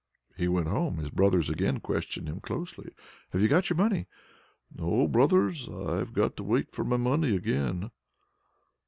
When he returned home, his brothers again questioned him closely: "Have you got your money?" "No, brothers; I've got to wait for my money again."